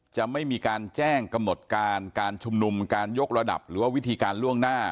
จะไม่มีการแจ้งกำหนดการการชุมนุมการยกระดับหรือว่าวิธีการล่วงหน้า